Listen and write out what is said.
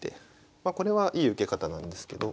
まあこれはいい受け方なんですけど。